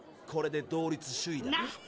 これで同率首位だ。